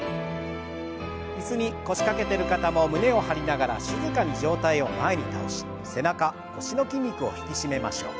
椅子に腰掛けてる方も胸を張りながら静かに上体を前に倒し背中腰の筋肉を引き締めましょう。